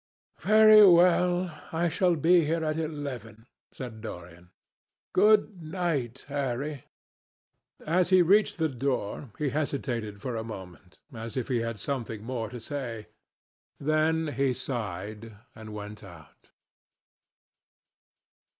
"Very well. I shall be here at eleven," said Dorian. "Good night, Harry." As he reached the door, he hesitated for a moment, as if he had something more to say. Then he sighed and went out.